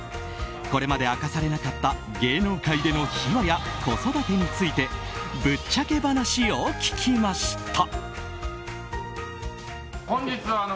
これまで明かされなかった芸能界での秘話や子育てについてぶっちゃけ話を聞きました。